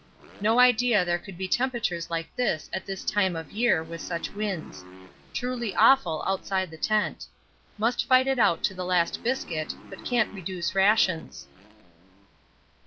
No idea there could be temperatures like this at this time of year with such winds. Truly awful outside the tent. Must fight it out to the last biscuit, but can't reduce rations.